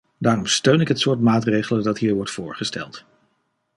Daarom steun ik het soort maatregelen dat hier wordt voorgesteld.